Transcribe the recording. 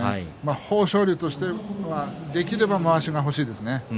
豊昇龍としてはできればまわしが欲しいですね。